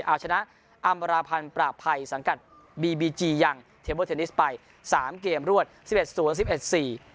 เอาชนะอำราพันธ์ปราบภัยสังกัดบีบีจียังเทเบอร์เทนนิสไปสามเกมรวดสิบเอ็ดศูนย์สิบเอ็ดสี่